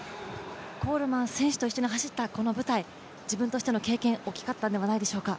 コールマン選手と一緒に走ったこの舞台、自分としての経験、大きかったのではないでしょうか？